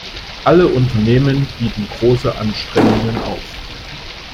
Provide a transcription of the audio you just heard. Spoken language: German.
Alle Unternehmen bieten große Anstrengungen auf.